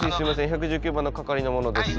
１１９番の係の者です。